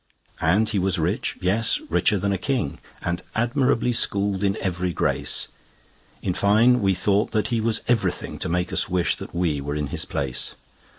And he was rich, yes, richer than a king, And admirably schooled in every grace: In fine, we thought that he was everything To make us wish that we were in his place.